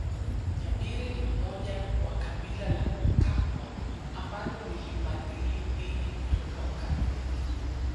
Nyabire ni mmoja wa kabila la Kakwa ambalo lilibadili dini kutoka Ukatoliki